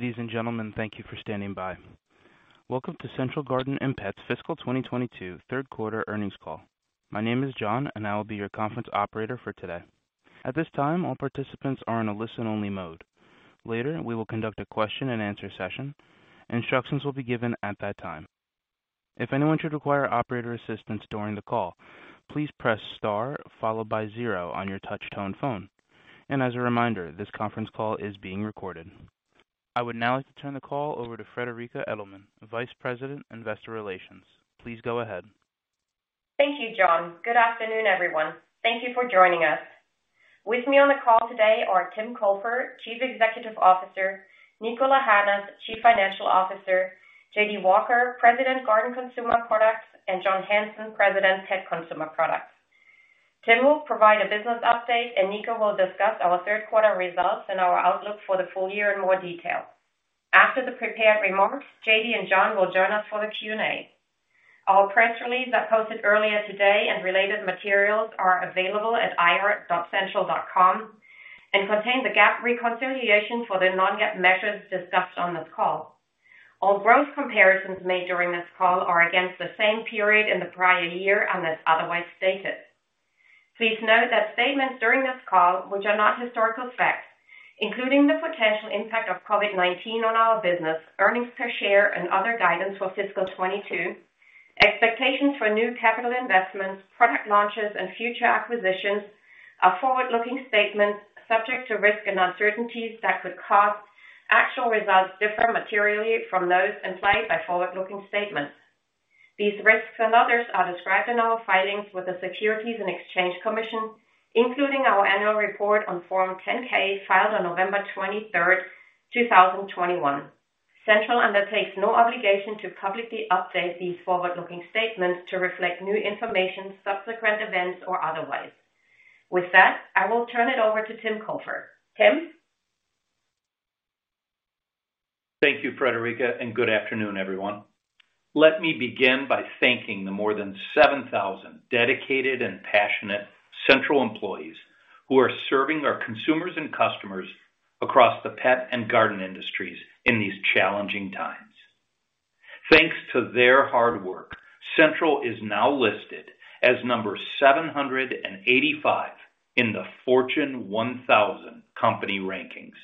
Ladies and gentlemen, thank you for standing by. Welcome to Central Garden & Pet's fiscal 2022 Q3 earnings call. My name is John and I will be your conference operator for today. At this time, all participants are in a listen-only mode. Later, we will conduct a question-and-answer session. Instructions will be given at that time. If anyone should require operator assistance during the call, please press Star followed by zero on your touch tone phone. As a reminder, this conference call is being recorded. I would now like to turn the call over to Friederike Edelmann, Vice President-Investor Relations. Please go ahead. Thank you, John. Good afternoon, everyone. Thank you for joining us. With me on the call today are Tim Cofer-Chief Executive Officer, Niko Lahanas-Chief Financial Officer, J.D. Walker-President, Garden Consumer Products, and John Hanson-President, Pet Consumer Products. Tim will provide a business update and Niko will discuss our Q3 results and our outlook for the full year in more detail. After the prepared remarks, J.D. and John will join us for the Q&A. Our press release that posted earlier today and related materials are available at ir.central.com and contain the GAAP reconciliation for the non-GAAP measures discussed on this call. All growth comparisons made during this call are against the same period in the prior year, unless otherwise stated. Please note that statements during this call, which are not historical facts, including the potential impact of COVID-19 on our business, earnings per share and other guidance for fiscal 2022, expectations for new capital investments, product launches and future acquisitions are forward-looking statements subject to risks and uncertainties that could cause actual results differ materially from those implied by forward-looking statements. These risks and others are described in our filings with the Securities and Exchange Commission, including our annual report on Form 10-K filed on November 23rd,2021. Central undertakes no obligation to publicly update these forward-looking statements to reflect new information, subsequent events or otherwise. With that, I will turn it over to Tim Cofer. Tim? Thank you Friederike and good afternoon, everyone. Let me begin by thanking the more than 7,000 dedicated and passionate Central employees who are serving our consumers and customers across the pet and garden industries in these challenging times. Thanks to their hard work, Central is now listed as number 785 in the Fortune 1000 company rankings.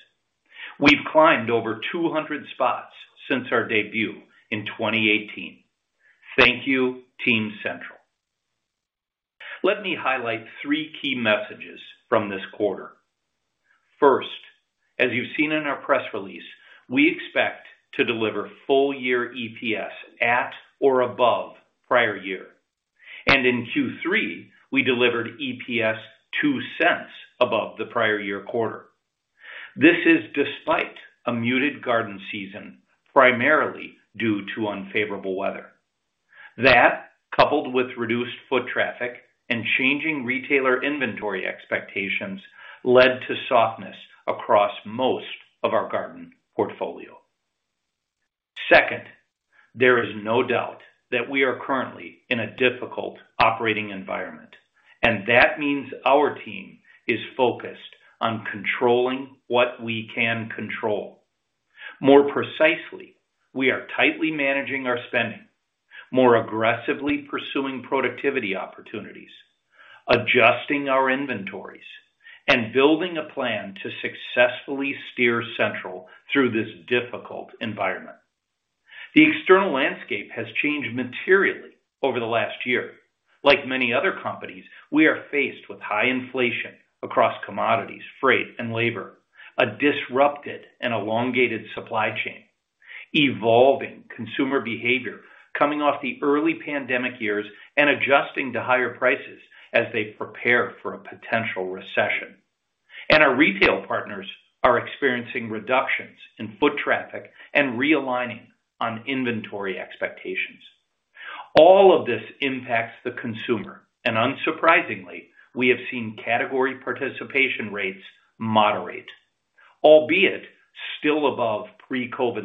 We've climbed over 200 spots since our debut in 2018. Thank you, Team Central. Let me highlight three key messages from this quarter. First, as you've seen in our press release, we expect to deliver full year EPS at or above prior year. In Q3, we delivered EPS $0.02 above the prior year quarter. This is despite a muted garden season, primarily due to unfavorable weather. That, coupled with reduced foot traffic and changing retailer inventory expectations, led to softness across most of our garden portfolio. Second, there is no doubt that we are currently in a difficult operating environment, and that means our team is focused on controlling what we can control. More precisely, we are tightly managing our spending, more aggressively pursuing productivity opportunities, adjusting our inventories, and building a plan to successfully steer Central through this difficult environment. The external landscape has changed materially over the last year. Like many other companies, we are faced with high inflation across commodities, freight and labor, a disrupted and elongated supply chain, evolving consumer behavior coming off the early pandemic years and adjusting to higher prices as they prepare for a potential recession. Our retail partners are experiencing reductions in foot traffic and realigning on inventory expectations. All of this impacts the consumer, and unsurprisingly, we have seen category participation rates moderate, albeit still above pre-COVID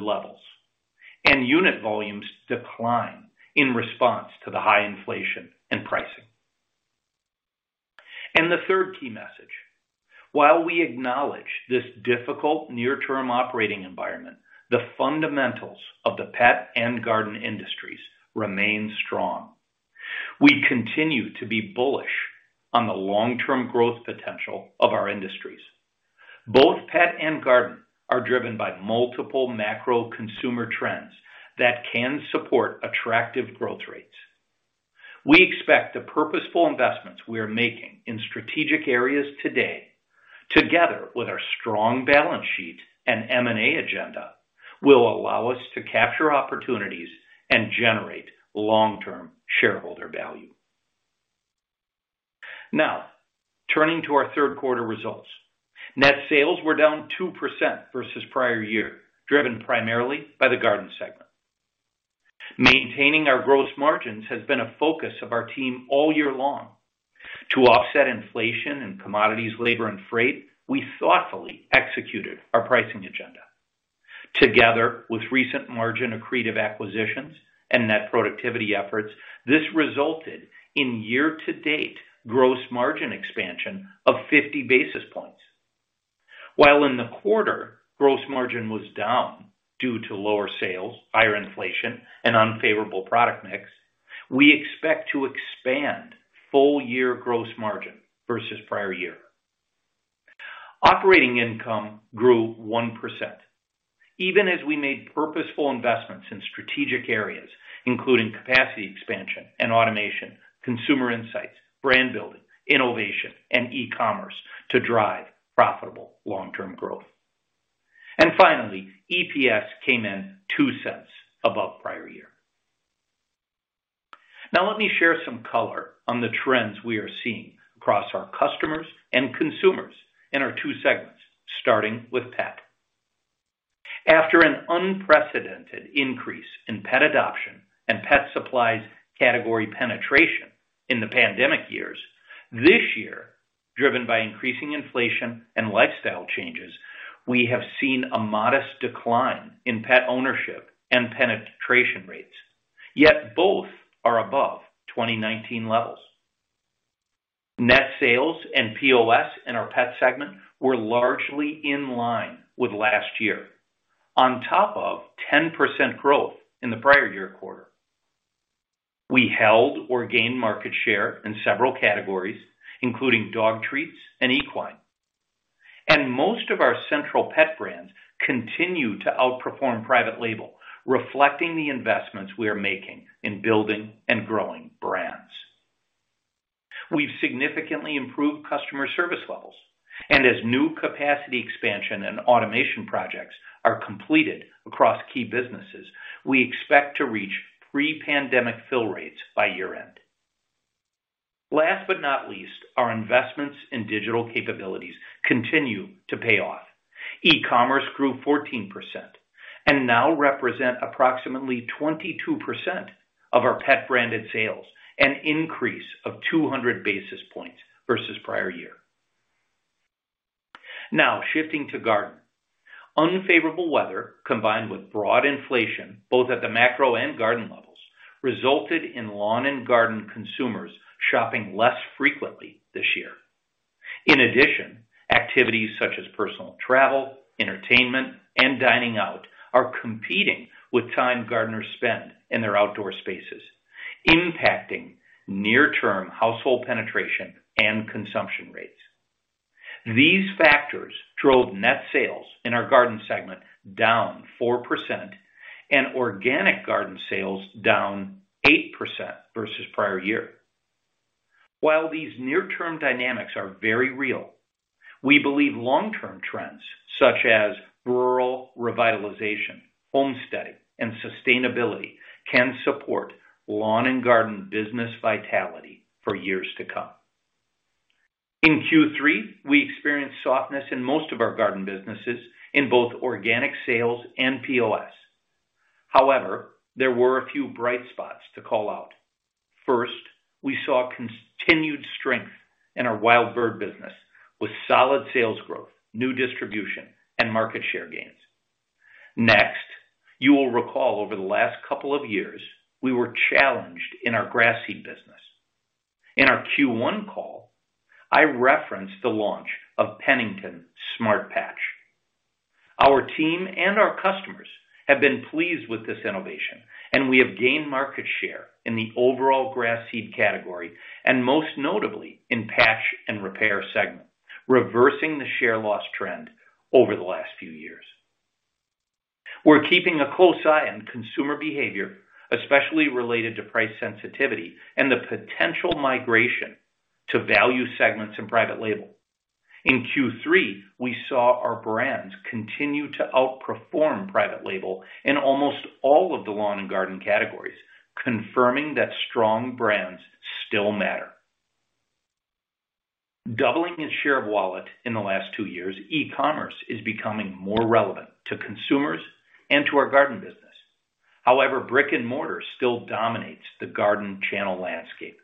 levels, and unit volumes decline in response to the high inflation and pricing. The third key message: while we acknowledge this difficult near-term operating environment, the fundamentals of the pet and garden industries remain strong. We continue to be bullish on the long-term growth potential of our industries. Both pet and garden are driven by multiple macro consumer trends that can support attractive growth rates. We expect the purposeful investments we are making in strategic areas today, together with our strong balance sheet and M&A agenda, will allow us to capture opportunities and generate long-term shareholder value. Now, turning to our Q3 results. Net sales were down 2% versus prior year, driven primarily by the garden segment. Maintaining our gross margins has been a focus of our team all year long. To offset inflation in commodities, labor, and freight, we thoughtfully executed our pricing agenda. Together with recent margin accretive acquisitions and net productivity efforts, this resulted in year-to-date gross margin expansion of 50 basis points. While in the quarter, gross margin was down due to lower sales, higher inflation, and unfavorable product mix, we expect to expand full-year gross margin versus prior year. Operating income grew 1%, even as we made purposeful investments in strategic areas, including capacity expansion and automation, consumer insights, brand building, innovation, and e-commerce to drive profitable long-term growth. Finally, EPS came in $0.02 above prior year. Now, let me share some color on the trends we are seeing across our customers and consumers in our two segments, starting with pet. After an unprecedented increase in pet adoption and pet supplies category penetration in the pandemic years, this year, driven by increasing inflation and lifestyle changes, we have seen a modest decline in pet ownership and penetration rates. Yet both are above 2019 levels. Net sales and POS in our pet segment were largely in line with last year, on top of 10% growth in the prior year quarter. We held or gained market share in several categories, including dog treats and equine. Most of our Central Pet brands continue to outperform private label, reflecting the investments we are making in building and growing brands. We've significantly improved customer service levels, and as new capacity expansion and automation projects are completed across key businesses, we expect to reach pre-pandemic fill rates by year-end. Last but not least, our investments in digital capabilities continue to pay off. E-commerce grew 14% and now represent approximately 22% of our pet branded sales, an increase of 200 basis points versus prior year. Now shifting to garden. Unfavorable weather combined with broad inflation, both at the macro and garden levels, resulted in lawn and garden consumers shopping less frequently this year. In addition, activities such as personal travel, entertainment, and dining out are competing with time gardeners spend in their outdoor spaces, impacting near-term household penetration and consumption rates. These factors drove net sales in our garden segment down 4% and organic garden sales down 8% versus prior year. While these near-term dynamics are very real, we believe long-term trends such as rural revitalization, homesteading, and sustainability can support lawn and garden business vitality for years to come. In Q3, we experienced softness in most of our garden businesses in both organic sales and POS. However, there were a few bright spots to call out. First, we saw continued strength in our Wild Bird business with solid sales growth, new distribution, and market share gains. Next, you will recall over the last couple of years, we were challenged in our grass seed business. In our Q1 call, I referenced the launch of Pennington Smart Patch. Our team and our customers have been pleased with this innovation, and we have gained market share in the overall grass seed category, and most notably in patch and repair segment, reversing the share loss trend over the last few years. We're keeping a close eye on consumer behavior, especially related to price sensitivity and the potential migration to value segments in private label. In Q3, we saw our brands continue to outperform private label in almost all of the lawn and garden categories, confirming that strong brands still matter. Doubling its share of wallet in the last two years, e-commerce is becoming more relevant to consumers and to our garden business. However, brick-and-mortar still dominates the garden channel landscape.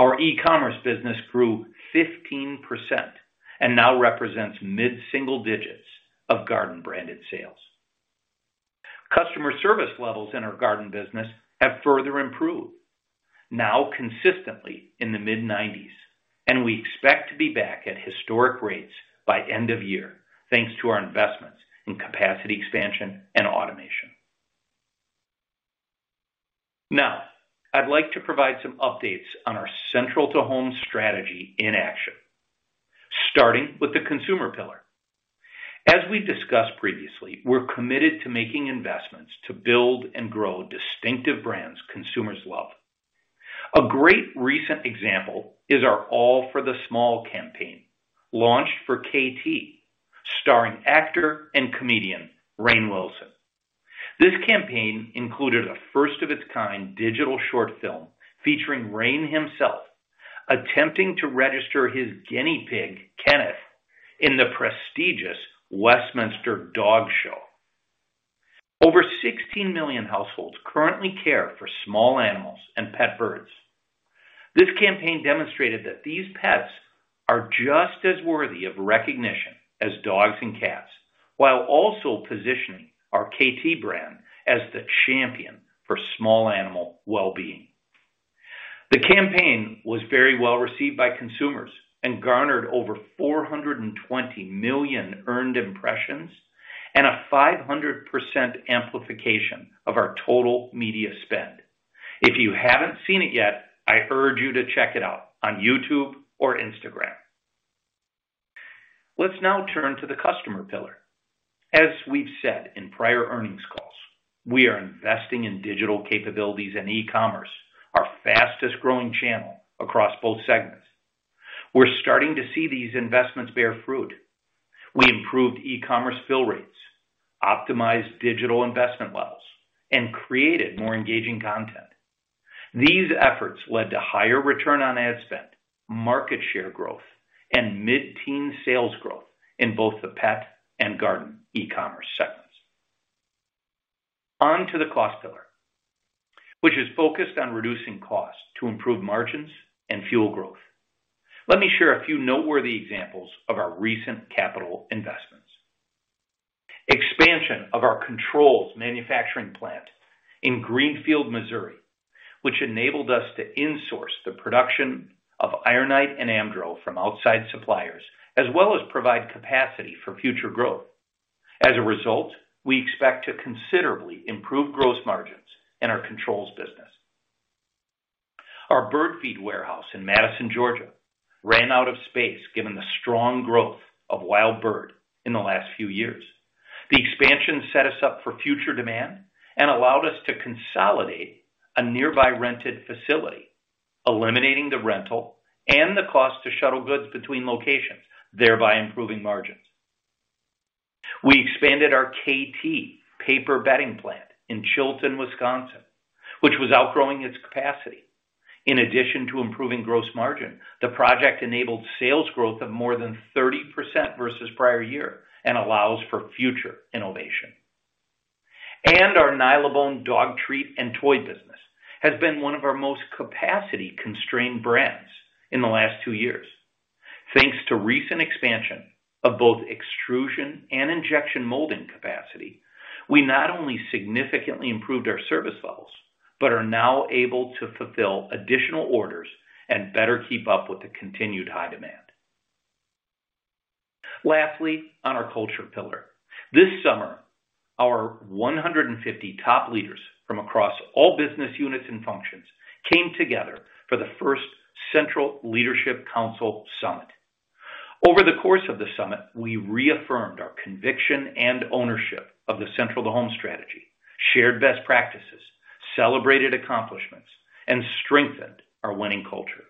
Our e-commerce business grew 15% and now represents mid-single digits of garden branded sales. Customer service levels in our garden business have further improved, now consistently in the mid-90s%, and we expect to be back at historic rates by end of year, thanks to our investments in capacity expansion and automation. Now, I'd like to provide some updates on our Central to Home strategy in action, starting with the consumer pillar. As we discussed previously, we're committed to making investments to build and grow distinctive brands consumers love. A great recent example is our All for the Small campaign, launched for Kaytee, starring actor and comedian Rainn Wilson. This campaign included a first of its kind digital short film featuring Rainn himself attempting to register his guinea pig, Kenneth, in the prestigious Westminster Dog Show. Over 16 million households currently care for small animals and pet birds. This campaign demonstrated that these pets are just as worthy of recognition as dogs and cats, while also positioning our Kaytee brand as the champion for small animal well-being. The campaign was very well received by consumers and garnered over 420 million earned impressions and a 500% amplification of our total media spend. If you haven't seen it yet, I urge you to check it out on YouTube or Instagram. Let's now turn to the customer pillar. As we've said in prior earnings calls, we are investing in digital capabilities and e-commerce, our fastest growing channel across both segments. We're starting to see these investments bear fruit. We improved e-commerce fill rates, optimized digital investment levels, and created more engaging content. These efforts led to higher return on ad spend, market share growth, and mid-teen sales growth in both the pet and garden e-commerce segments. On to the cost pillar, which is focused on reducing costs to improve margins and fuel growth. Let me share a few noteworthy examples of our recent capital investments. Expansion of our controls manufacturing plant in Greenfield Missouri, which enabled us to insource the production of Ironite and Amdro from outside suppliers, as well as provide capacity for future growth. As a result, we expect to considerably improve gross margins in our controls business. Our bird feed warehouse in Madison Georgia, ran out of space given the strong growth of Wild Bird in the last few years. The expansion set us up for future demand and allowed us to consolidate a nearby rented facility, eliminating the rental and the cost to shuttle goods between locations, thereby improving margins. We expanded our Kaytee paper bedding plant in Chilton, Wisconsin, which was outgrowing its capacity. In addition to improving gross margin, the project enabled sales growth of more than 30% versus prior year and allows for future innovation. Our Nylabone dog treat and toy business has been one of our most capacity-constrained brands in the last two years. Thanks to recent expansion of both extrusion and injection molding capacity, we not only significantly improved our service levels, but are now able to fulfill additional orders and better keep up with the continued high demand. Lastly, on our culture pillar. This summer, our 150 top leaders from across all business units and functions came together for the first Central Leadership Council Summit. Over the course of the summit, we reaffirmed our conviction and ownership of the Central to Home strategy, shared best practices, celebrated accomplishments, and strengthened our winning culture.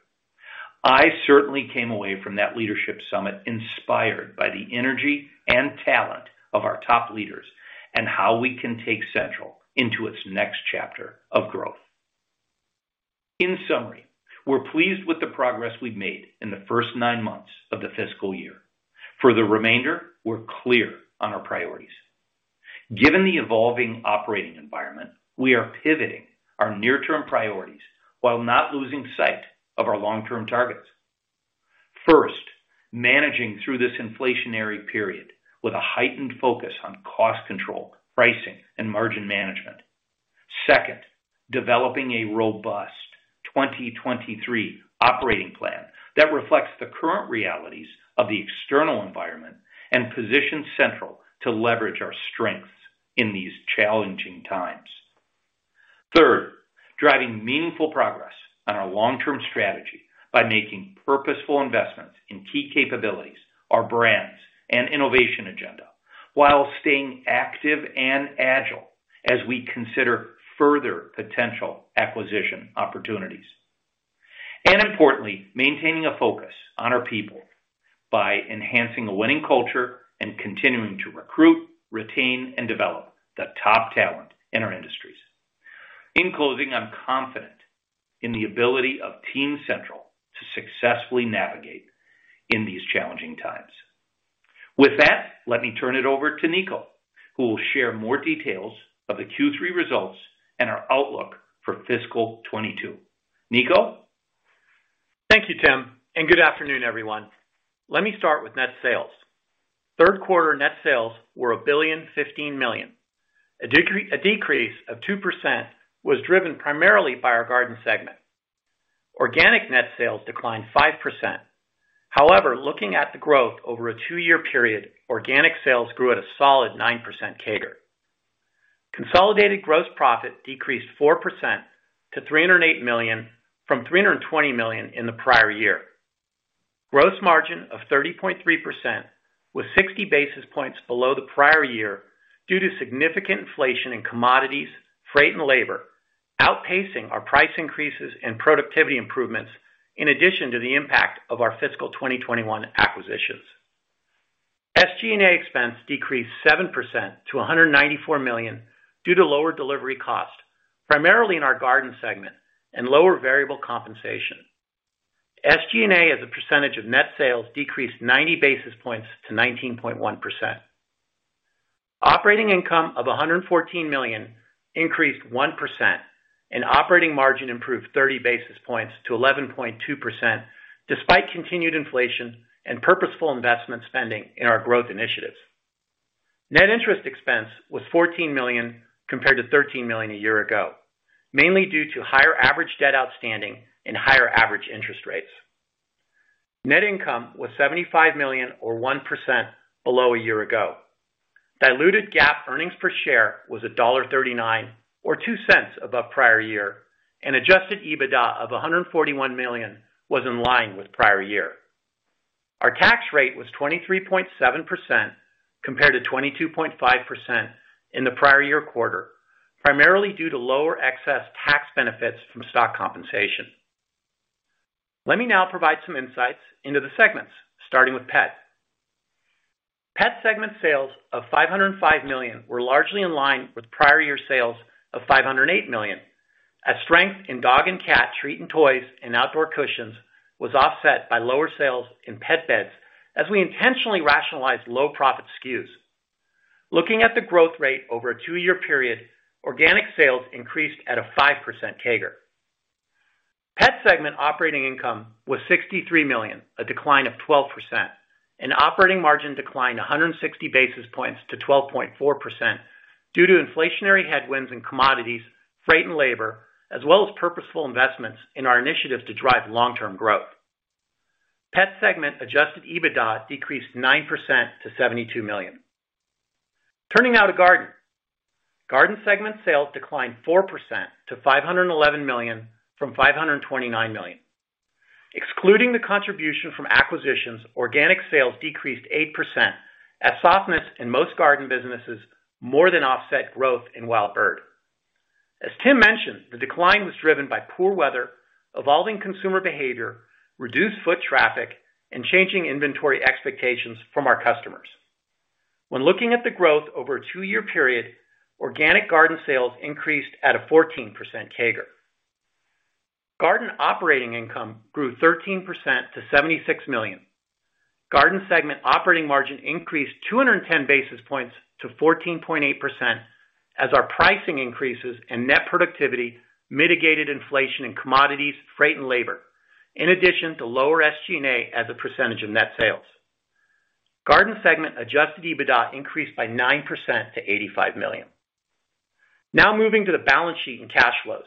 I certainly came away from that leadership summit inspired by the energy and talent of our top leaders and how we can take Central into its next chapter of growth. In summary, we're pleased with the progress we've made in the first nine months of the fiscal year. For the remainder, we're clear on our priorities. Given the evolving operating environment, we are pivoting our near-term priorities while not losing sight of our long-term targets. First, managing through this inflationary period with a heightened focus on cost-control, pricing, and margin management. Second, developing a robust 2023 operating plan that reflects the current realities of the external environment and positions Central to leverage our strengths in these challenging times. Third, driving meaningful progress on our long-term strategy by making purposeful investments in key capabilities, our brands, and innovation agenda while staying active and agile as we consider further potential acquisition opportunities. Importantly, maintaining a focus on our people by enhancing a winning culture and continuing to recruit, retain, and develop the top talent in our industries. In closing, I'm confident in the ability of Team Central to successfully navigate in these challenging times. With that, let me turn it over to Niko, who will share more details of the Q3 results and our outlook for fiscal 2022. Niko? Thank you Tim, and good afternoon, everyone. Let me start with net sales. Q3 net sales were $1.015 billion. A decrease of 2% was driven primarily by our garden segment. Organic net sales declined 5%. However, looking at the growth over a two-year period, organic sales grew at a solid 9% CAGR. Consolidated gross profit decreased 4% to $308 million from $320 million in the prior year. Gross margin of 30.3% was 60 basis points below the prior year due to significant inflation in commodities, freight, and labor, outpacing our price increases and productivity improvements, in addition to the impact of our fiscal 2021 acquisitions. SG&A expense decreased 7% to $194 million due to lower delivery cost, primarily in our garden segment and lower variable compensation. SG&A, as a percentage of net sales, decreased 90 basis points to 19.1%. Operating income of $114 million increased 1%, and operating margin improved 30 basis points to 11.2% despite continued inflation and purposeful investment spending in our growth initiatives. Net interest expense was $14 million compared to $13 million a year ago, mainly due to higher average debt outstanding and higher average interest rates. Net income was $75 million or 1% below a year ago. Diluted GAAP earnings per share was $1.39 or $0.02 above prior year, and adjusted EBITDA of $141 million was in line with prior year. Our tax rate was 23.7% compared to 22.5% in the prior year quarter, primarily due to lower excess tax benefits from stock compensation. Let me now provide some insights into the segments, starting with pet. Pet segment sales of $505 million were largely in line with prior year sales of $508 million, as strength in dog and cat treat and toys and outdoor cushions was offset by lower sales in pet beds as we intentionally rationalized low profit SKUs. Looking at the growth rate over a two-year period, organic sales increased at a 5% CAGR. Pet segment operating income was $63 million, a decline of 12%, and operating margin declined 160 basis points to 12.4% due to inflationary headwinds in commodities, freight, and labor, as well as purposeful investments in our initiatives to drive long-term growth. Pet segment adjusted EBITDA decreased 9% to $72 million. Turning now to garden. Garden segment sales declined 4% to $511 million from $529 million. Excluding the contribution from acquisitions, organic sales decreased 8% as softness in most garden businesses more than offset growth in Wild Bird. As Tim mentioned, the decline was driven by poor weather, evolving consumer behavior, reduced foot traffic, and changing inventory expectations from our customers. When looking at the growth over a two-year period, organic garden sales increased at a 14% CAGR. Garden operating income grew 13% to $76 million. Garden segment operating margin increased 210 basis points to 14.8% as our pricing increases and net productivity mitigated inflation in commodities, freight, and labor, in addition to lower SG&A as a percentage of net sales. Garden segment adjusted EBITDA increased by 9% to $85 million. Now moving to the balance sheet and cash flows.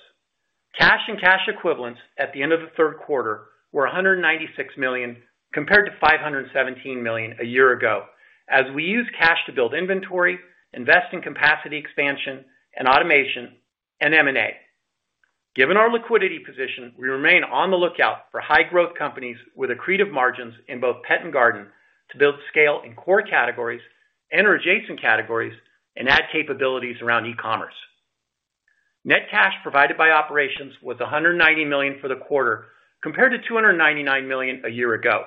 Cash and cash equivalents at the end of the Q3 were $196 million compared to $517 million a year ago, as we used cash to build inventory, invest in capacity expansion and automation, and M&A. Given our liquidity position, we remain on the lookout for high growth companies with accretive margins in both pet and garden to build scale in core categories and/or adjacent categories and add capabilities around e-commerce. Net cash provided by operations was $190 million for the quarter compared to $299 million a year ago.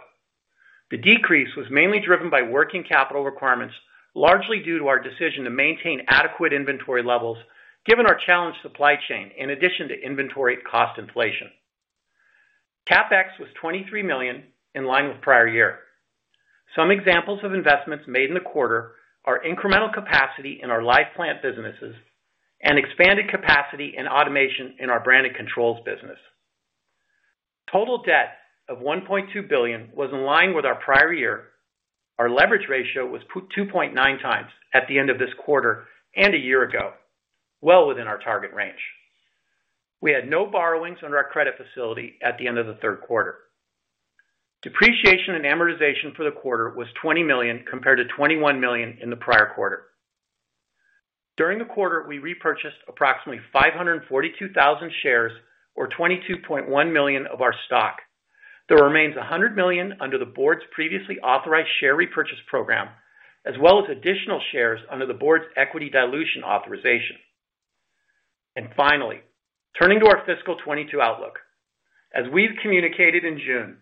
The decrease was mainly driven by working capital requirements, largely due to our decision to maintain adequate inventory levels given our challenged supply chain in addition to inventory cost inflation. CapEx was $23 million, in line with prior year. Some examples of investments made in the quarter are incremental capacity in our live plant businesses and expanded capacity and automation in our branded controls business. Total debt of $1.2 billion was in line with our prior year. Our leverage ratio was 2.9 times at the end of this quarter and a year ago, well within our target range. We had no borrowings under our credit facility at the end of the Q3. Depreciation and amortization for the quarter was $20 million compared to $21 million in the prior quarter. During the quarter, we repurchased approximately 542,000 shares or $22.1 million of our stock. There remains $100 million under the board's previously authorized share repurchase program, as well as additional shares under the board's equity dilution authorization. Finally, turning to our fiscal 2022 outlook. As we've communicated in June,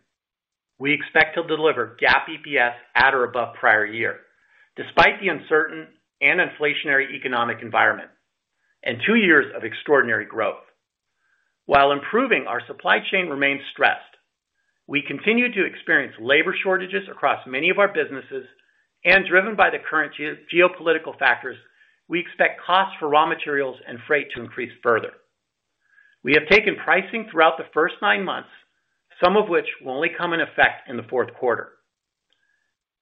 we expect to deliver GAAP EPS at or above prior year, despite the uncertain and inflationary economic environment and two years of extraordinary growth. While improving, our supply chain remains stressed. We continue to experience labor shortages across many of our businesses, and driven by the current geopolitical factors, we expect costs for raw materials and freight to increase further. We have taken pricing throughout the first nine months, some of which will only come into effect in the Q4.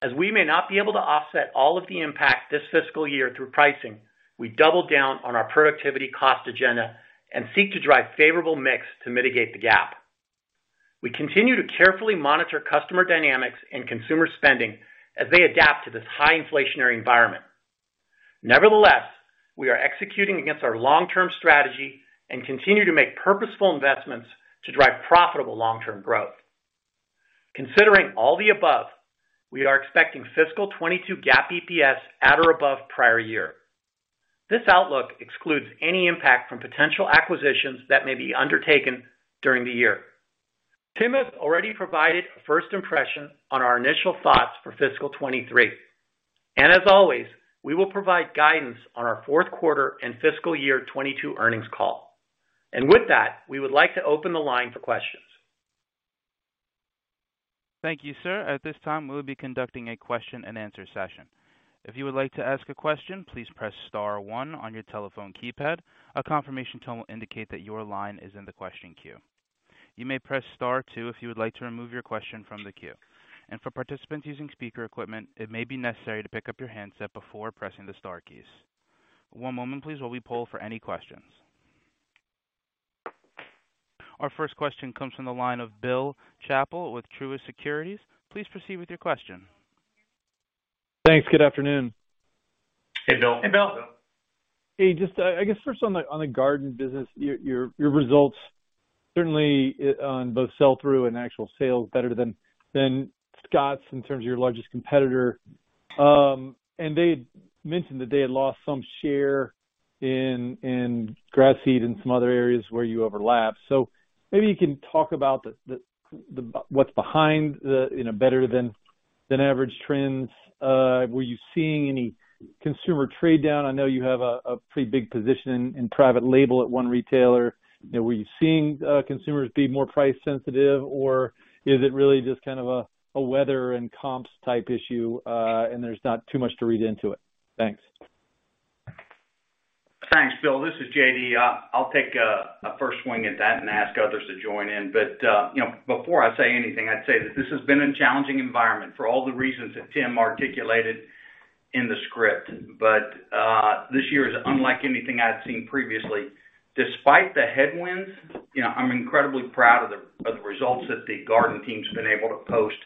As we may not be able to offset all of the impact this fiscal year through pricing, we double down on our productivity cost agenda and seek to drive favorable mix to mitigate the gap. We continue to carefully monitor customer dynamics and consumer spending as they adapt to this high inflationary environment. Nevertheless, we are executing against our long-term strategy and continue to make purposeful investments to drive profitable long-term growth. Considering all the above, we are expecting fiscal 2022 GAAP EPS at or above prior year. This outlook excludes any impact from potential acquisitions that may be undertaken during the year. Tim has already provided a first impression on our initial thoughts for fiscal 2023. As always, we will provide guidance on our Q4 and fiscal year 2022 earnings call. With that, we would like to open the line for questions. Thank you, sir. At this time, we'll be conducting a question and answer session. If you would like to ask a question, please press star one on your telephone keypad. A confirmation tone will indicate that your line is in the question queue. You may press star two if you would like to remove your question from the queue. For participants using speaker equipment, it may be necessary to pick up your handset before pressing the star keys. One moment please, while we poll for any questions. Our first question comes from the line of Bill Chappell with Truist Securities. Please proceed with your question. Thanks. Good afternoon. Hey, Bill. Hey, Bill. Hey, just, I guess first on the garden business, your results certainly on both sell-through and actual sales better than Scotts in terms of your largest competitor. They mentioned that they had lost some share in grass seed and some other areas where you overlap. Maybe you can talk about what's behind the, you know, better than average trends. Were you seeing any consumer trade down? I know you have a pretty big position in private label at one retailer. You know, were you seeing consumers be more price sensitive or is it really just kind of a weather and comps type issue, and there's not too much to read into it? Thanks. Thanks, Bill. This is J.D. I'll take a first swing at that and ask others to join in. You know, before I say anything, I'd say that this has been a challenging environment for all the reasons that Tim articulated in the script. This year is unlike anything I'd seen previously. Despite the headwinds, you know, I'm incredibly proud of the results that the garden team's been able to post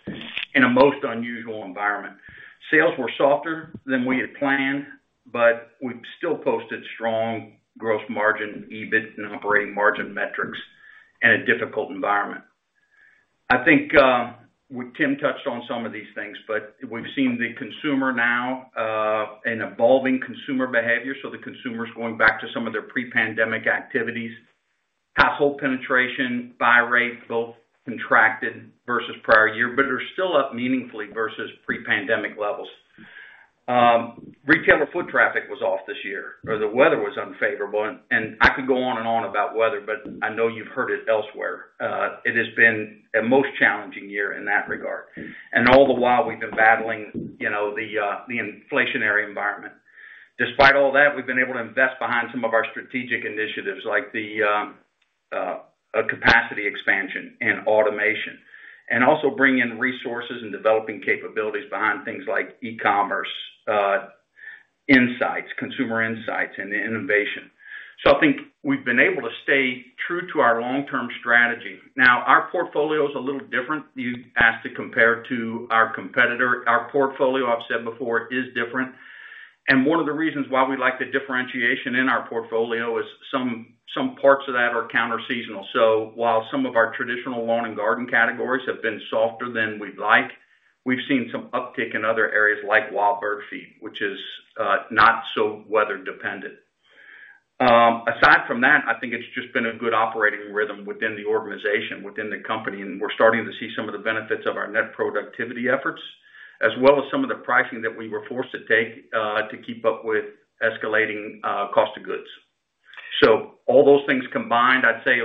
in a most unusual environment. Sales were softer than we had planned, but we've still posted strong gross margin, EBIT and operating margin metrics in a difficult environment. I think, Tim touched on some of these things, but we've seen the consumer now, an evolving consumer behavior, so the consumer is going back to some of their pre-pandemic activities. Household penetration, buy rates both contracted versus prior year, but are still up meaningfully versus pre-pandemic levels. Retailer foot traffic was off this year or the weather was unfavorable and I could go on and on about weather, but I know you've heard it elsewhere. It has been a most challenging year in that regard. All the while we've been battling, you know, the inflationary environment. Despite all that, we've been able to invest behind some of our strategic initiatives like the capacity expansion and automation, and also bring in resources and developing capabilities behind things like e-commerce, insights, consumer insights and innovation. I think we've been able to stay true to our long-term strategy. Now, our portfolio is a little different. You asked to compare to our competitor. Our portfolio, I've said before, is different. One of the reasons why we like the differentiation in our portfolio is some parts of that are counter seasonal. While some of our traditional lawn and garden categories have been softer than we'd like, we've seen some uptick in other areas like Wild Bird feed, which is not so weather dependent. Aside from that, I think it's just been a good operating rhythm within the organization, within the company, and we're starting to see some of the benefits of our net productivity efforts, as well as some of the pricing that we were forced to take to keep up with escalating cost of goods. All those things combined, I'd say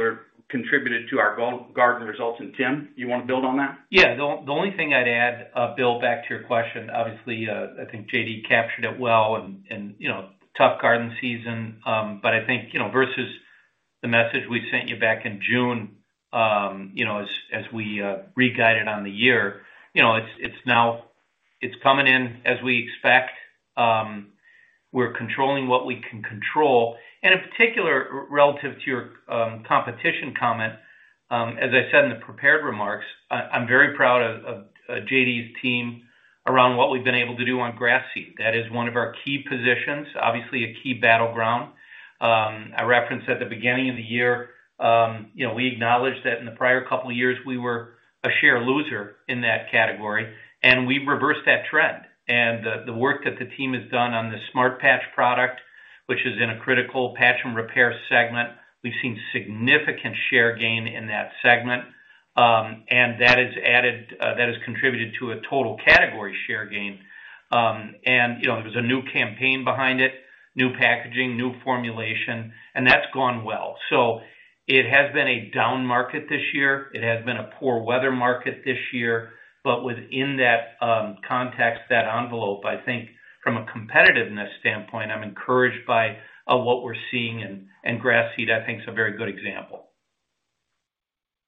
contributed to our garden results. Tim, you wanna build on that? Yeah. The only thing I'd add, Bill, back to your question, obviously, I think J.D. captured it well and, you know, tough garden season. I think, you know, versus the message we sent you back in June, you know, as we re-guided on the year. You know, it's coming in as we expect. We're controlling what we can control. In particular, relative to your competition comment, as I said in the prepared remarks, I'm very proud of J.D.'s team around what we've been able to do on grass seed. That is one of our key positions, obviously a key battleground. I referenced at the beginning of the year, you know, we acknowledged that in the prior couple of years, we were a share loser in that category, and we've reversed that trend. The work that the team has done on the Smart Patch product, which is in a critical patch and repair segment, we've seen significant share gain in that segment. That has contributed to a total category share gain. You know, there was a new campaign behind it, new packaging, new formulation, and that's gone well. It has been a down market this year. It has been a poor weather market this year. Within that context, that envelope, I think from a competitiveness standpoint, I'm encouraged by what we're seeing, and grass seed, I think, is a very good example.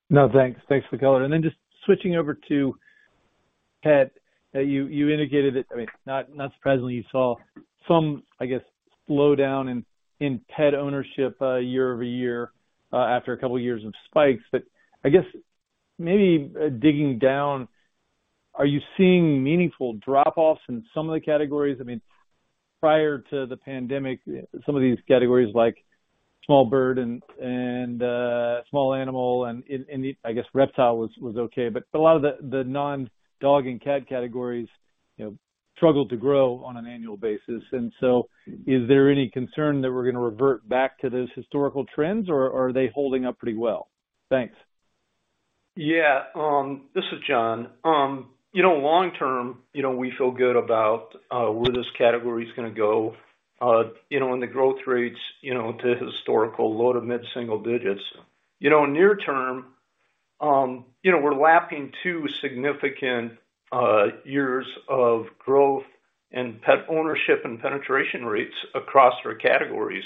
No, thanks. Thanks for the color. Then just switching over to pet, you indicated that, I mean, not surprisingly, you saw some, I guess, slowdown in pet ownership year-over-year, after a couple of years of spikes. I guess maybe digging down, are you seeing meaningful drop-offs in some of the categories? I mean, prior to the pandemic, some of these categories like small bird and small animal and, I guess, reptile was okay, but a lot of the non-dog and cat categories, you know, struggled to grow on an annual basis. Is there any concern that we're gonna revert back to those historical trends, or are they holding up pretty well? Thanks. Yeah. This is John. You know, long-term, you know, we feel good about where this category is gonna go, you know, in the growth rates, you know, to historical low to mid-single digits. You know, near term, you know, we're lapping 2 significant years of growth. Pet ownership and penetration rates across our categories.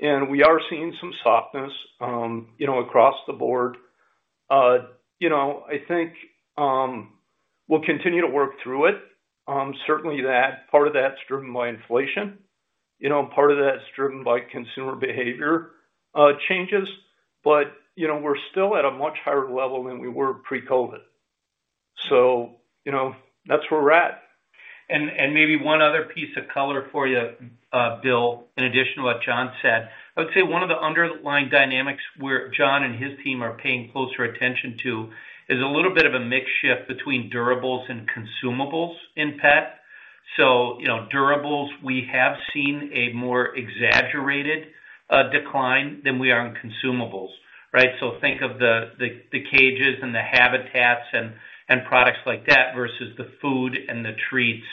We are seeing some softness, you know, across the board. You know, I think, we'll continue to work through it. Certainly part of that's driven by inflation. You know, part of that's driven by consumer behavior, changes. You know, we're still at a much higher level than we were pre-COVID. You know, that's where we're at. Maybe one other piece of color for you, Bill, in addition to what John said. I would say one of the underlying dynamics where John and his team are paying closer attention to is a little bit of a mix shift between durables and consumables in pet. You know, durables, we have seen a more exaggerated decline than we are in consumables, right? Think of the cages and the habitats and products like that versus the food and the treats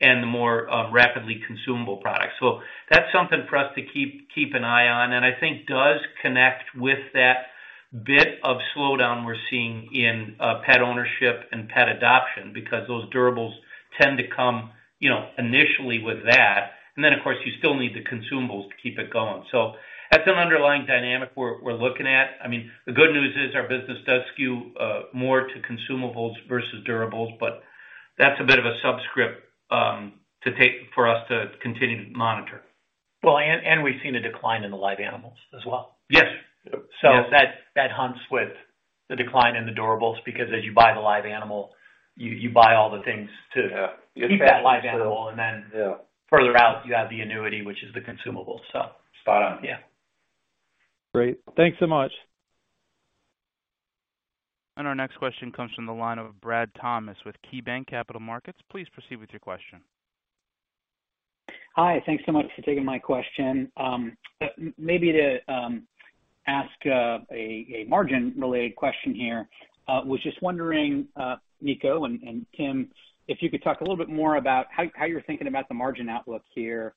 and the more rapidly consumable products. That's something for us to keep an eye on, and I think does connect with that bit of slowdown we're seeing in pet ownership and pet adoption, because those durables tend to come, you know, initially with that. Of course, you still need the consumables to keep it going. That's an underlying dynamic we're looking at. I mean, the good news is our business does skew more to consumables versus durables, but that's a bit of a subtext to take for us to continue to monitor. Well, we've seen a decline in the live animals as well. Yes. That jibes with the decline in the durables, because as you buy the live animal, you buy all the things to- Yeah. Keep that live animal. Yeah. Further out, you have the annuity, which is the consumable. Spot on. Yeah. Great. Thanks so much. Our next question comes from the line of Brad Thomas with KeyBanc Capital Markets. Please proceed with your question. Hi. Thanks so much for taking my question. Maybe to ask a margin-related question here. Was just wondering, Niko and Tim, if you could talk a little bit more about how you're thinking about the margin outlook here,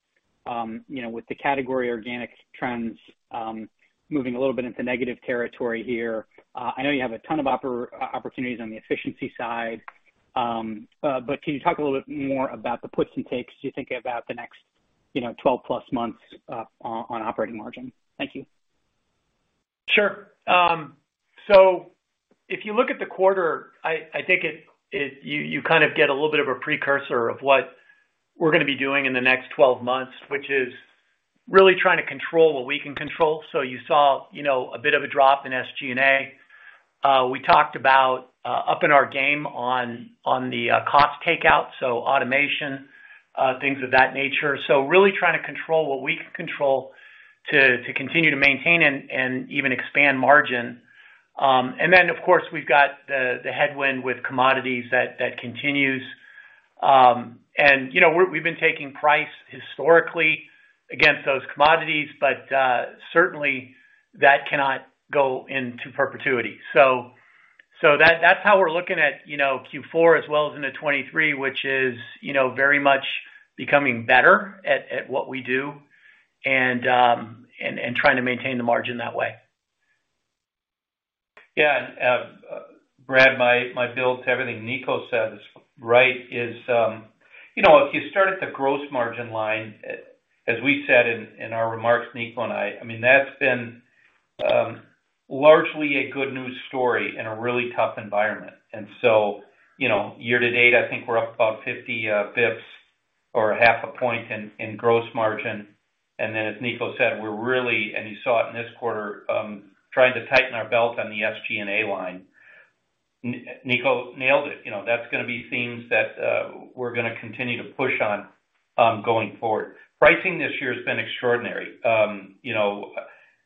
you know, with the category organic trends moving a little bit into negative territory here. I know you have a ton of opportunities on the efficiency side. But can you talk a little bit more about the puts and takes as you think about the next, you know, 12-plus months, on operating margin? Thank you. Sure. If you look at the quarter, I think you kind of get a little bit of a precursor of what we're gonna be doing in the next 12 months, which is really trying to control what we can control. You saw, you know, a bit of a drop in SG&A. We talked about upping our game on the cost takeout, so automation, things of that nature. Really trying to control what we can control to continue to maintain and even expand margin. Of course, we've got the headwind with commodities that continues. You know, we've been taking price historically against those commodities, but certainly that cannot go into perpetuity. that's how we're looking at, you know, Q4 as well as into 2023, which is, you know, very much becoming better at what we do and trying to maintain the margin that way. Yeah, Brad, my build on everything Niko said is right, you know, if you start at the gross margin line, as we said in our remarks, Niko and I mean, that's been largely a good news story in a really tough environment. You know, year-to-date, I think we're up about 50 basis points or half a point in gross margin. As Niko said, we're really, and you saw it in this quarter, trying to tighten our belt on the SG&A line. Niko nailed it. You know, that's gonna be themes that we're gonna continue to push on going forward. Pricing this year has been extraordinary. You know,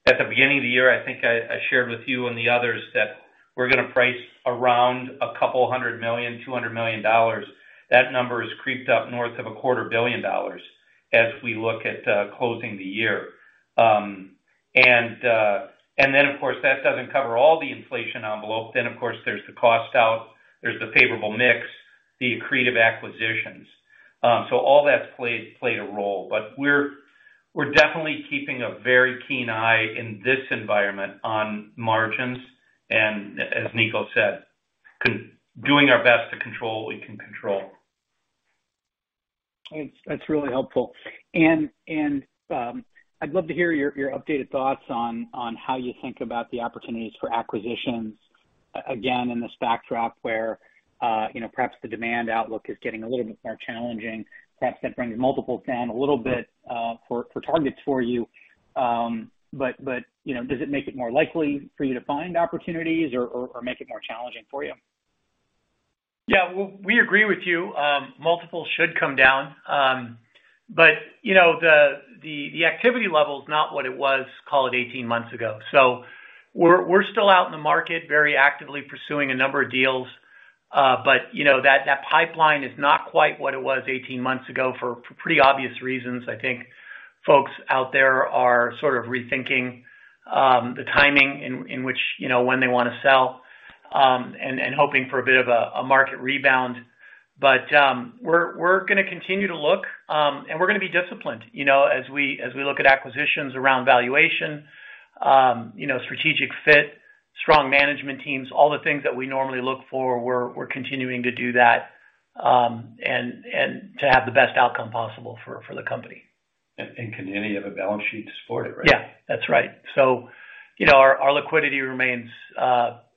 at the beginning of the year, I think I shared with you and the others that we're gonna CapEx around $200 million, $200 million. That number has crept up north of $250 million as we look at closing the year. Of course, that doesn't cover all the inflation envelope. Of course, there's the cost out, there's the favorable mix, the accretive acquisitions. All that's played a role. We're definitely keeping a very keen eye in this environment on margins, and as Niko said, doing our best to control what we can control. That's really helpful. I'd love to hear your updated thoughts on how you think about the opportunities for acquisitions, again, in this backdrop where, you know, perhaps the demand outlook is getting a little bit more challenging. Perhaps that brings multiples down a little bit, for targets for you. You know, does it make it more likely for you to find opportunities or make it more challenging for you? Yeah. Well, we agree with you. Multiples should come down. You know, the activity level is not what it was, call it 18 months ago. We're still out in the market very actively pursuing a number of deals. You know, that pipeline is not quite what it was 18 months ago for pretty obvious reasons. I think folks out there are sort of rethinking the timing in which, you know, when they wanna sell and hoping for a bit of a market rebound. We're gonna continue to look, and we're gonna be disciplined, you know, as we look at acquisitions around valuation. You know, strategic fit, strong management teams, all the things that we normally look for, we're continuing to do that, and to have the best outcome possible for the company. Continue to have a balance sheet to support it, right? You know, our liquidity remains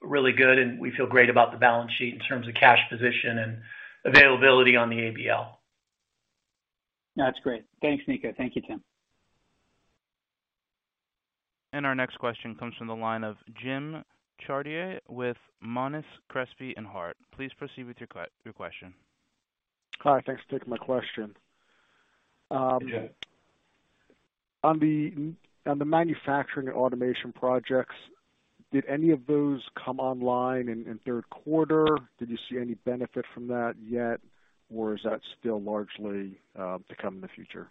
really good, and we feel great about the balance sheet in terms of cash position and availability on the ABL. That's great. Thanks, Niko. Thank you, Tim. Our next question comes from the line of James Chartier with Monness, Crespi, Hardt & Co. Please proceed with your question. Hi. Thanks for taking my question. On the manufacturing automation projects, did any of those come online in Q3? Did you see any benefit from that yet, or is that still largely to come in the future?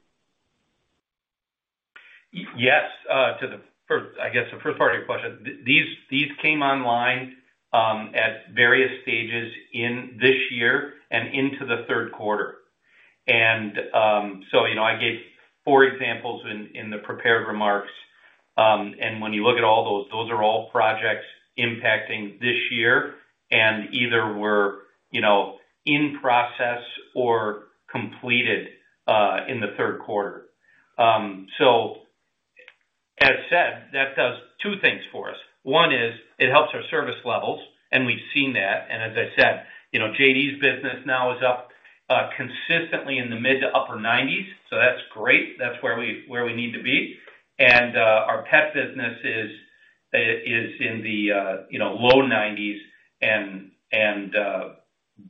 Yes, to the first. I guess the first part of your question. These came online at various stages in this year and into the Q3. So you know, I gave four examples in the prepared remarks. And when you look at all those are all projects impacting this year and either were, you know, in process or completed in the Q3. So as said, that does two things for us. One is it helps our service levels, and we've seen that. As I said, you know, J.D.'s business now is up consistently in the mid- to upper-90s%. That's great. That's where we need to be. And our pet business is in the low-90s%, and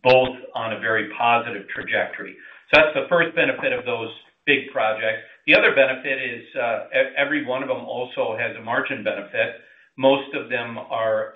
both on a very positive trajectory. That's the first benefit of those big projects. The other benefit is, every one of them also has a margin benefit. Most of them are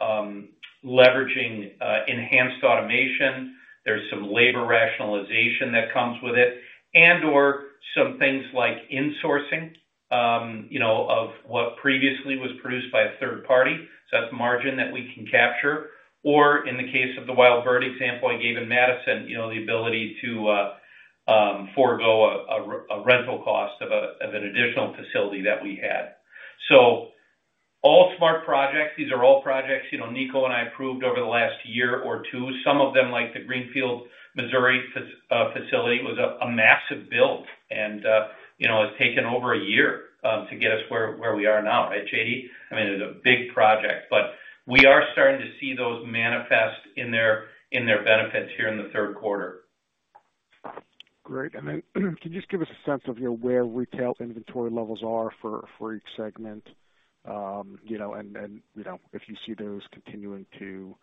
leveraging enhanced automation. There's some labor rationalization that comes with it and/or some things like insourcing, you know, of what previously was produced by a third party. That's margin that we can capture. Or in the case of the Wild Bird example I gave in Madison, you know, the ability to forego a rental cost of an additional facility that we had. All smart projects. These are all projects, you know, Niko and I approved over the last year or two. Some of them like the Greenfield Missouri facility was a massive build. You know, it's taken over a year to get us where we are now at J.D. I mean, it was a big project, but we are starting to see those manifest in their benefits here in the Q3. Great. Can you just give us a sense of, you know, where retail inventory levels are for each segment? You know, and you know, if you see those continuing to,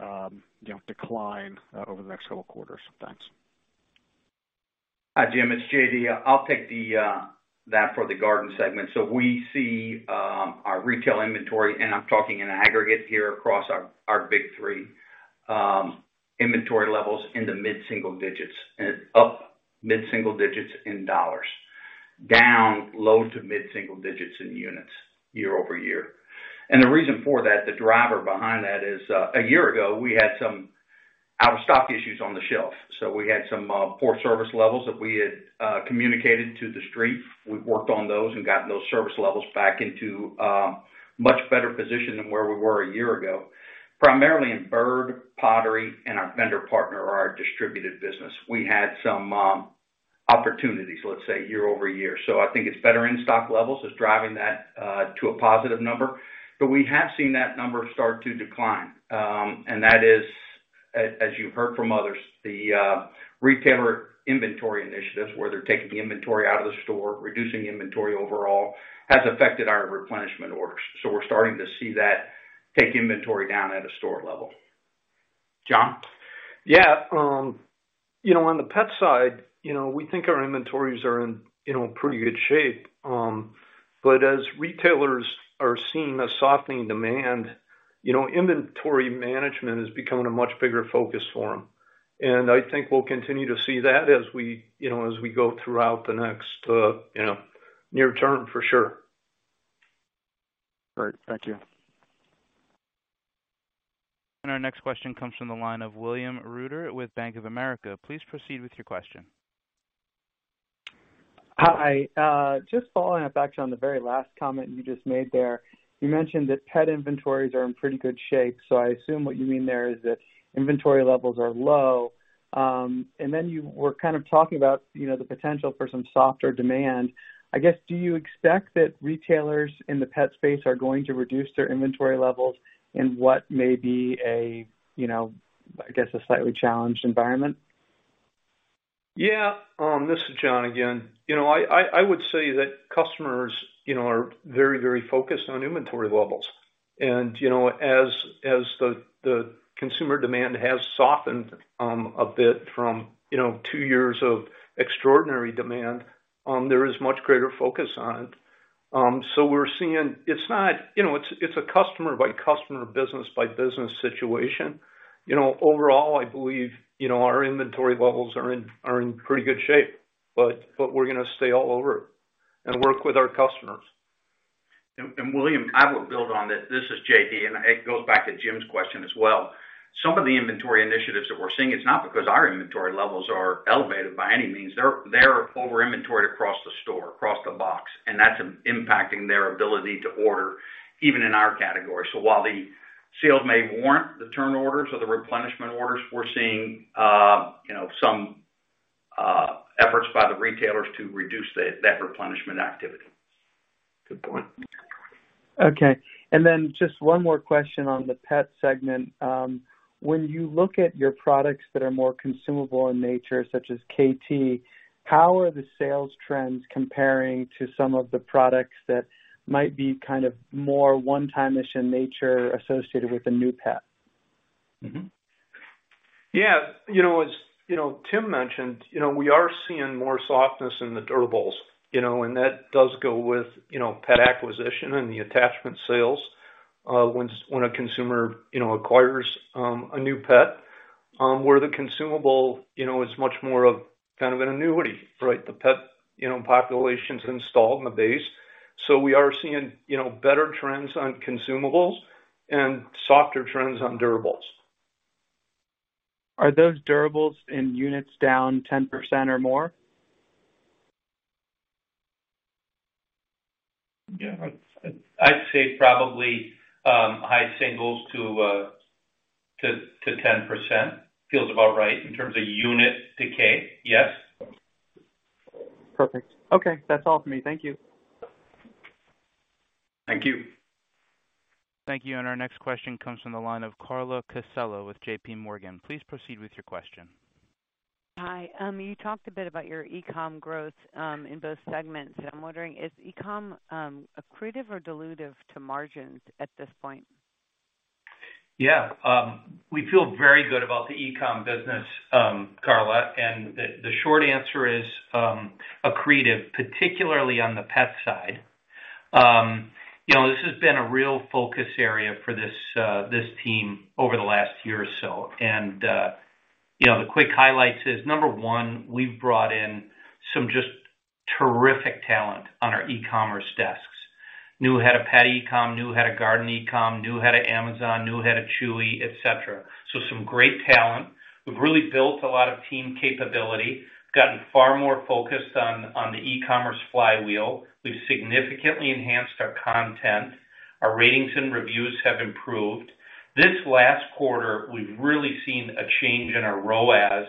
you know, decline over the next couple quarters. Thanks. Hi, James, it's J.D. I'll take that for the garden segment. We see our retail inventory, and I'm talking in aggregate here across our big three, inventory levels in the mid-single digits. Up mid-single digits in dollars, down low to mid-single digits in units year-over-year. The reason for that, the driver behind that is a year ago, we had some out-of-stock issues on the shelf. We had some poor service levels that we had communicated to the street. We've worked on those and gotten those service levels back into a much better position than where we were a year ago, primarily in bird, pottery, and our vendor partner or our distributed business. We had some opportunities, let's say, year-over-year. I think it's better in stock levels. It's driving that to a positive number. We have seen that number start to decline. That is, as you've heard from others, the retailer inventory initiatives where they're taking the inventory out of the store, reducing inventory overall, has affected our replenishment orders. We're starting to see that take inventory down at a store level. John? Yeah. You know, on the pet side, you know, we think our inventories are in, you know, pretty good shape. But as retailers are seeing a softening demand, you know, inventory management is becoming a much bigger focus for them. I think we'll continue to see that as we, you know, as we go throughout the next, you know, near term for sure. All right. Thank you. Our next question comes from the line of William Reuter with Bank of America. Please proceed with your question. Hi. Just following up actually on the very last comment you just made there. You mentioned that pet inventories are in pretty good shape, so I assume what you mean there is that inventory levels are low. You were kind of talking about, you know, the potential for some softer demand. I guess, do you expect that retailers in the pet space are going to reduce their inventory levels in what may be a, you know, I guess, a slightly challenged environment? Yeah. This is John again. You know, I would say that customers, you know, are very, very focused on inventory levels. You know, as the consumer demand has softened a bit from, you know, two years of extraordinary demand, there is much greater focus on it. It's not, you know, it's a customer-by-customer, business-by-business situation. You know, overall, I believe, you know, our inventory levels are in pretty good shape, but we're gonna stay all over it and work with our customers. William, I will build on that. This is J.D., and it goes back to James`' question as well. Some of the inventory initiatives that we're seeing, it's not because our inventory levels are elevated by any means. They're over inventoried across the store, across the box, and that's impacting their ability to order, even in our category. While the sales may warrant the turn orders or the replenishment orders we're seeing, you know, some efforts by the retailers to reduce the replenishment activity. Good point. Okay. Just one more question on the pet segment. When you look at your products that are more consumable in nature, such as Kaytee, how are the sales trends comparing to some of the products that might be kind of more one-time-ish in nature associated with a new pet? Yeah. You know, as you know, Tim mentioned, you know, we are seeing more softness in the durables, you know, and that does go with, you know, pet acquisition and the attachment sales, when a consumer, you know, acquires a new pet, where the consumable, you know, is much more of kind of an annuity, right? The pet, you know, population's installed in the base. We are seeing, you know, better trends on consumables and softer trends on durables. Are those durables in units down 10% or more? I'd say probably high singles to 10% feels about right in terms of unit decay. Yes. Perfect. Okay. That's all for me. Thank you. Thank you. Thank you. Our next question comes from the line of Carla Casella with J.P. Morgan. Please proceed with your question. Hi. You talked a bit about your e-com growth in both segments, and I'm wondering, is e-com accretive or dilutive to margins at this point? Yeah. We feel very good about the e-com business, Carla, and the short answer is, accretive, particularly on the pet side. You know, this has been a real focus area for this team over the last year or so. You know, the quick highlights is, number one, we've brought in some just terrific talent on our e-commerce desks. New head of pet e-com, new head of garden e-com, new head of Amazon, new head of Chewy, et cetera. Some great talent. We've really built a lot of team capability, gotten far more focused on the e-commerce flywheel. We've significantly enhanced our content. Our ratings and reviews have improved. This last quarter, we've really seen a change in our ROAS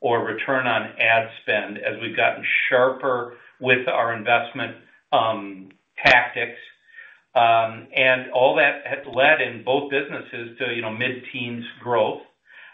or return on ad spend as we've gotten sharper with our investment tactics. All that has led in both businesses to, you know, mid-teens growth.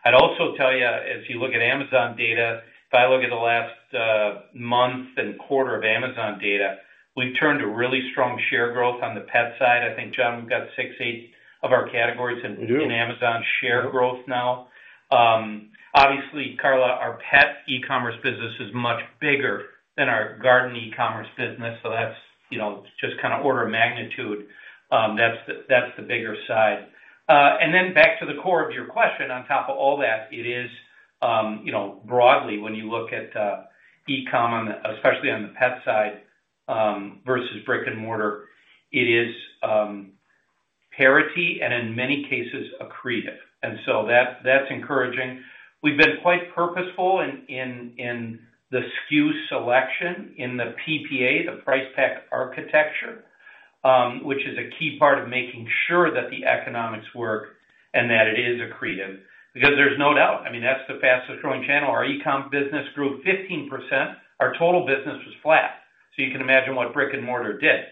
I'd also tell you, as you look at Amazon data, if I look at the last month and quarter of Amazon data, we've turned a really strong share growth on the pet side. I think, John, we've got 6-8 of our categories- We do. In Amazon share growth now. Obviously, Carla, our pet e-commerce business is much bigger than our garden e-commerce business, so that's, you know, just kinda order of magnitude, that's the bigger side. Back to the core of your question on top of all that, it is, you know, broadly, when you look at e-com especially on the pet side versus brick and mortar, it is parity and in many cases accretive. That's encouraging. We've been quite purposeful in the SKU selection in the PPA, the Price Pack Architecture, which is a key part of making sure that the economics work and that it is accretive because there's no doubt. I mean, that's the fastest growing channel. Our e-com business grew 15%. Our total business was flat. You can imagine what brick and mortar did.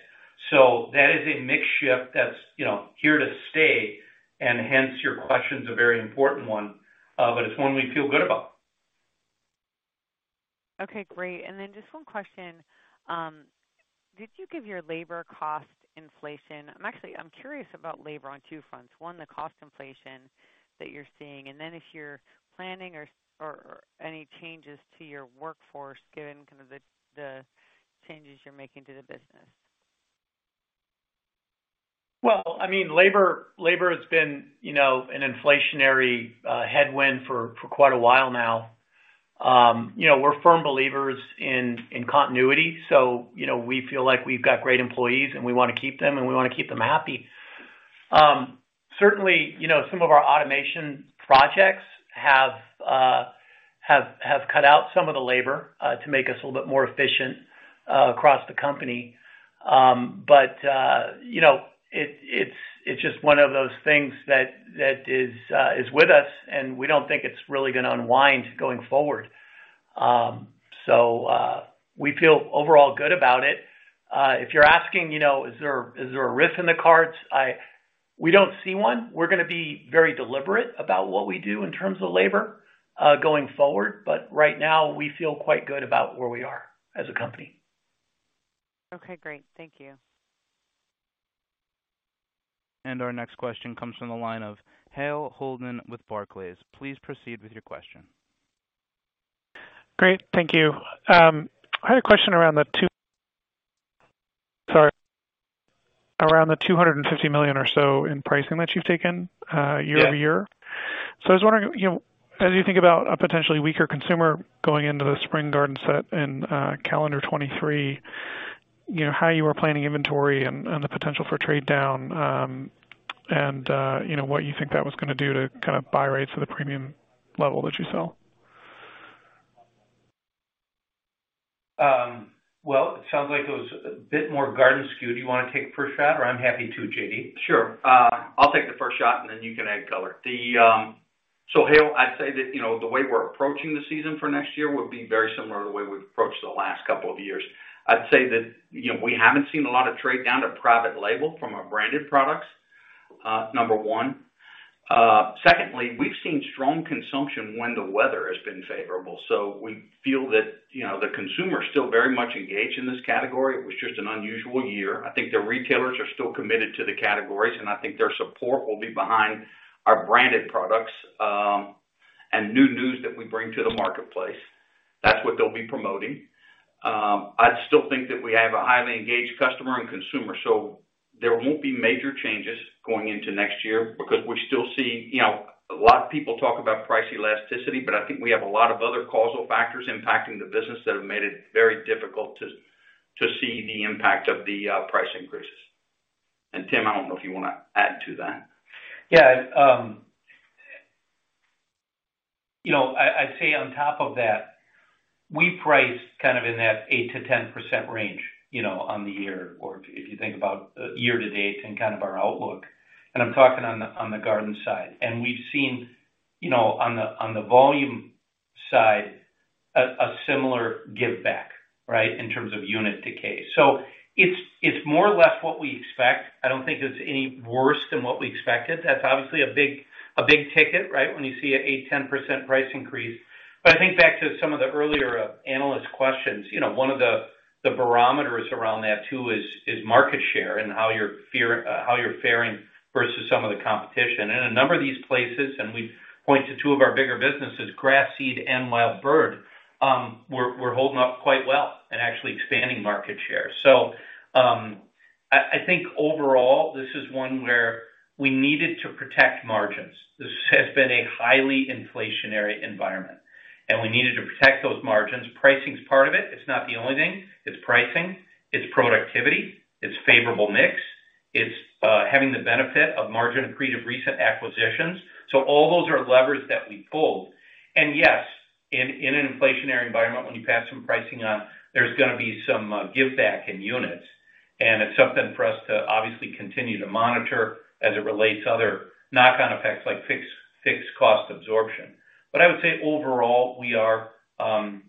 That is a mix shift that's, you know, here to stay and hence your question's a very important one, but it's one we feel good about. Okay, great. Just one question. Did you give your labor cost inflation? I'm actually curious about labor on two fronts. One, the cost inflation that you're seeing, and then if you're planning or any changes to your workforce given kind of the changes you're making to the business? I mean, labor has been, you know, an inflationary headwind for quite a while now. You know, we're firm believers in continuity, so you know, we feel like we've got great employees, and we wanna keep them, and we wanna keep them happy. Certainly, you know, some of our automation projects have cut out some of the labor to make us a little bit more efficient across the company. But you know, it's just one of those things that is with us, and we don't think it's really gonna unwind going forward. We feel overall good about it. If you're asking, you know, is there a risk in the cards? We don't see one. We're gonna be very deliberate about what we do in terms of labor, going forward. Right now, we feel quite good about where we are as a company. Okay, great. Thank you. Our next question comes from the line of Hale Holden with Barclays. Please proceed with your question. Great. Thank you. I had a question around the $250 million or so in pricing that you've taken, year-over-year. I was wondering, you know, as you think about a potentially weaker consumer going into the spring garden season in calendar 2023 You know, how you were planning inventory and the potential for trade down, you know, what you think that was gonna do to kind of buy rates for the premium level that you sell. Well, it sounds like it was a bit more garden skewed. Do you wanna take the first shot or I'm happy to, J.D.? Sure. I'll take the first shot and then you can add color. Hale, I'd say that, you know, the way we're approaching the season for next year would be very similar to the way we've approached the last couple of years. I'd say that, you know, we haven't seen a lot of trade down to private label from our branded products, number one. Secondly, we've seen strong consumption when the weather has been favorable, so we feel that, you know, the consumer is still very much engaged in this category. It was just an unusual year. I think the retailers are still committed to the categories, and I think their support will be behind our branded products, and newness that we bring to the marketplace. That's what they'll be promoting. I still think that we have a highly engaged customer and consumer, so there won't be major changes going into next year because we're still seeing, you know. A lot of people talk about price elasticity, but I think we have a lot of other causal factors impacting the business that have made it very difficult to see the impact of the price increases. Tim, I don't know if you wanna add to that. Yeah. You know, I'd say on top of that, we priced kind of in that 8%-10% range, you know, on the year or if you think about year to date and kind of our outlook, and I'm talking on the garden side. We've seen, you know, on the volume side a similar give back, right, in terms of unit decay. It's more or less what we expect. I don't think it's any worse than what we expected. That's obviously a big ticket, right, when you see an 8%-10% price increase. I think back to some of the earlier analyst questions, you know, one of the barometers around that too is market share and how you're faring versus some of the competition. In a number of these places, and we point to two of our bigger businesses, grass seed and wild bird, we're holding up quite well and actually expanding market share. I think overall, this is one where we needed to protect margins. This has been a highly inflationary environment, and we needed to protect those margins. Pricing is part of it. It's not the only thing. It's pricing, it's productivity, it's favorable mix, it's having the benefit of margin accretive recent acquisitions. All those are levers that we pulled. Yes, in an inflationary environment, when you pass some pricing on, there's gonna be some give back in units, and it's something for us to obviously continue to monitor as it relates to other knock-on effects like fixed cost absorption. I would say overall, we are,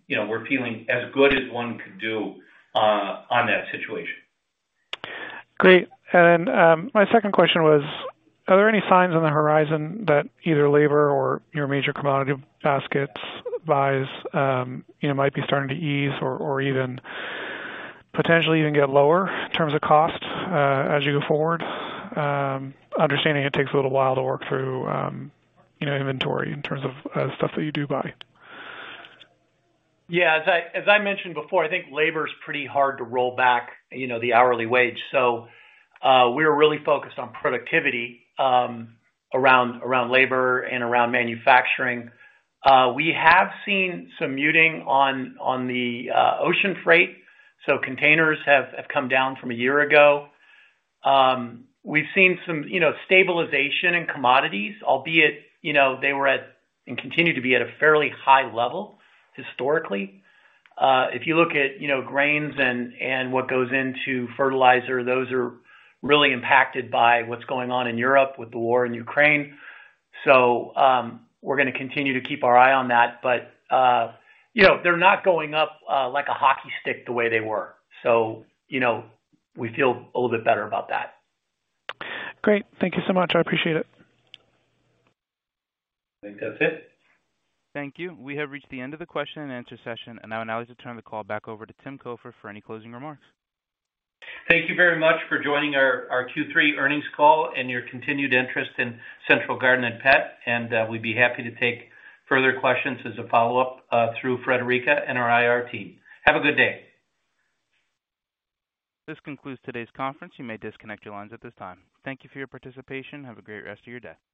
you know, we're feeling as good as one could do on that situation. Great. My second question was, are there any signs on the horizon that either labor or your major commodity baskets buys, you know, might be starting to ease or even potentially get lower in terms of cost, as you go forward? Understanding it takes a little while to work through, you know, inventory in terms of, stuff that you do buy. Yeah. As I mentioned before, I think labor is pretty hard to roll back, you know, the hourly wage. So, we're really focused on productivity around labor and around manufacturing. We have seen some muting on the ocean freight, so containers have come down from a year ago. We've seen some, you know, stabilization in commodities, albeit, you know, they were at and continue to be at a fairly high level historically. If you look at, you know, grains and what goes into fertilizer, those are really impacted by what's going on in Europe with the war in Ukraine. So, we're gonna continue to keep our eye on that. But, you know, they're not going up like a hockey stick the way they were. So, you know, we feel a little bit better about that. Great. Thank you so much. I appreciate it. I think that's it. Thank you. We have reached the end of the question and answer session. Now I'd like to turn the call back over to Tim Cofer for any closing remarks. Thank you very much for joining our Q3 earnings call and your continued interest in Central Garden & Pet. We'd be happy to take further questions as a follow-up through Friederike and our IR team. Have a good day. This concludes today's conference. You may disconnect your lines at this time. Thank you for your participation. Have a great rest of your day.